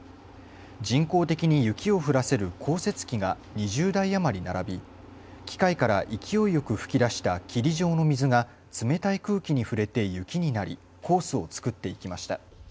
人工的に雪を降らせる降雪機が２０台余り並び機械から勢いよく噴き出した霧状の水が冷たい空気に触れて雪になり、コースを造っていきました。